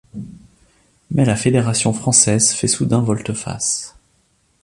Mais la Fédération française fait soudain volte-face.